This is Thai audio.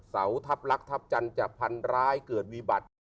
เสาทัพลักษณทัพจันทร์จะพันร้ายเกิดวิบัติ